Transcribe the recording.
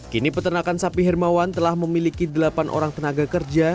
kini peternakan sapi hermawan telah memiliki delapan orang tenaga kerja